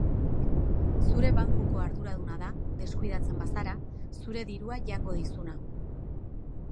Zure bankuko arduraduna da, deskuidatzen bazara, zure dirua jango dizuna.